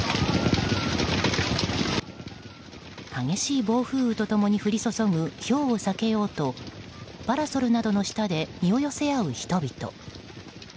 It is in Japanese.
激しい暴風雨と共に降り注ぐひょうを避けようとパラソルなどの下で身を寄せ合う人々。